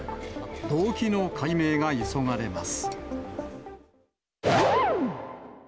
動機の解明が急がれます。